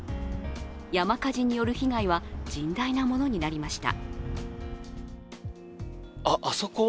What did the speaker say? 山火事による被害は甚大なものになりました。